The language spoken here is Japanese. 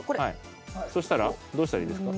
そしたらどうしたらいいですか？